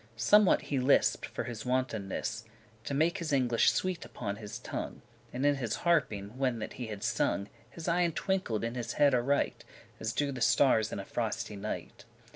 Somewhat he lisped for his wantonness, To make his English sweet upon his tongue; And in his harping, when that he had sung, His eyen* twinkled in his head aright, *eyes As do the starres in a frosty night.